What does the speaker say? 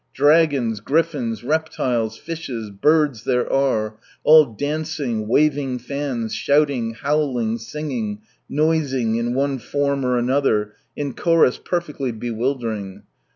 Dragons, gritfins, reptiles, fishes, birds there are, all dancing, waving fans, shouting, howling, singing, noising in one form or another, in chorus perfectly bewildering.